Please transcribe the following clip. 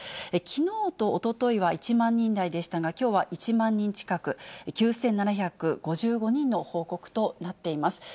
きのうとおとといは１万人台でしたが、きょうは１万人近く、９７５５人の報告となっています。